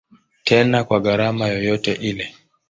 Tena kwa gharama yoyote ile.